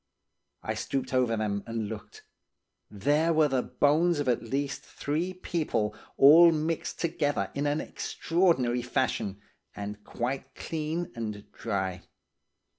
I stooped over them, and looked; there were the bones of at least three people, all mixed together in an extraordinary fashion, and quite clean and dry.